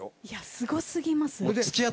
いやすごすぎます。